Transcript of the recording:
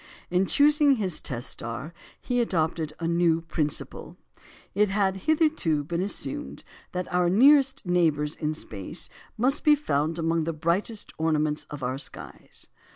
In choosing his test star he adopted a new principle. It had hitherto been assumed that our nearest neighbours in space must be found among the brightest ornaments of our skies.